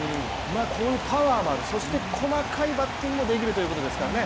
こういうパワーのある、そして細かいバッティングもできるということですからね